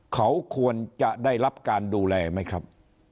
เขาควรจะได้รับการดูแลไหมครับ